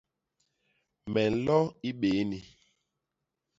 Me nlo i béni.